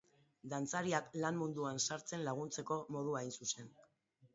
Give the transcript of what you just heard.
Dantzariak lan munduan sartzen laguntzeko modua hain zuzen.